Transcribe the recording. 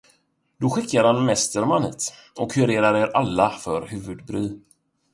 Då skickar han mästerman hit och kurerar er alla för huvudbry.